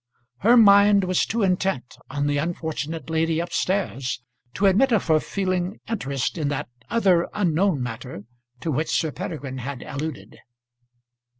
Her mind was too intent on the unfortunate lady up stairs to admit of her feeling interest in that other unknown matter to which Sir Peregrine had alluded.